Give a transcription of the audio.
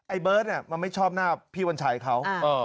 เบิร์ตมันไม่ชอบหน้าพี่วันชัยเขา